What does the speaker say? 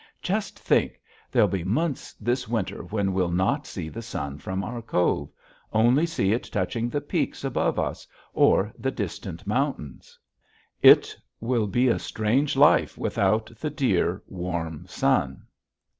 Just think! there'll be months this winter when we'll not see the sun from our cove only see it touching the peaks above us or the distant mountains. It will be a strange life without the dear, warm sun!